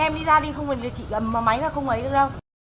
cái em đi ra đi không phải là chị lầm máy vào không ấy được đâu